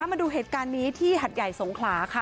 มาดูเหตุการณ์นี้ที่หัดใหญ่สงขลาค่ะ